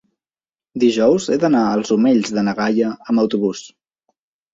dijous he d'anar als Omells de na Gaia amb autobús.